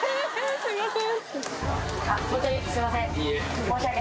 すいません。